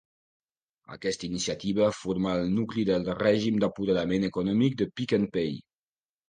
Aquesta iniciativa forma el nucli del règim d'apoderament econòmic de Pick n Pay.